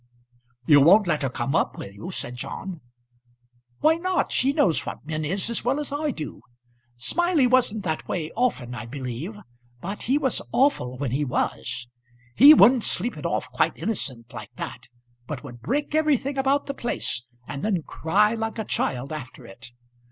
"You won't let her come up, will you?" said John. "Why not? She knows what men is as well I do. Smiley wasn't that way often, I believe; but he was awful when he was. He wouldn't sleep it off, quite innocent, like that; but would break everything about the place, and then cry like a child after it.